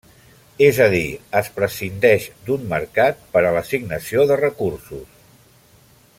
És a dir, es prescindeix d'un mercat per a l'assignació de recursos.